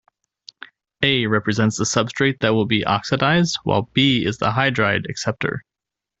A represents the substrate that will be oxidized, while B is the hydride acceptor.